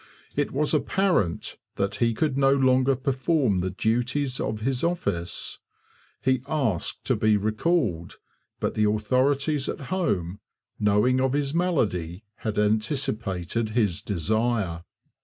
It was apparent that he could no longer perform the duties of his office. He asked to be recalled; but the authorities at home, knowing of his malady, had anticipated his desire.